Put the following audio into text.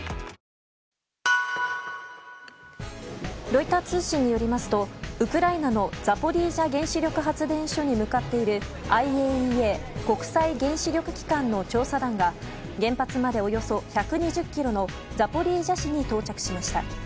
ロイター通信によりますとウクライナのザポリージャ原発発電所に向かっているＩＡＥＡ・国際原子力機関の調査団が原発までおよそ１２０ｋｍのザポリージャ市に到着しました。